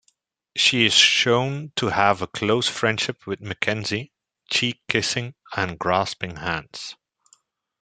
She is shown to have a close friendship with Mackenzie, cheek-kissing and grasping hands.